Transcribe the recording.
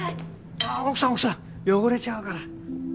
あぁ奥さん奥さん汚れちゃうから。